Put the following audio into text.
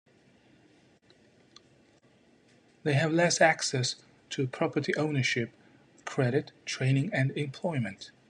They have less access to property ownership, credit, training and employment.